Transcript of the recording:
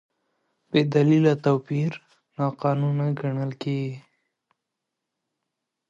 بېدلیله توپیر ناقانونه ګڼل کېږي.